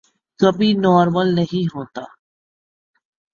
کبھی نارمل نہیں ہونا۔